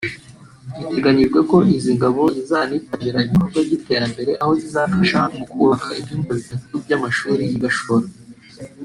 Biteganyijwe ko izi ngabo zizanitabira ibikorwa by’iterambere aho zizafasha mu kubaka ibyumba bitatu by’amashuri i Gashora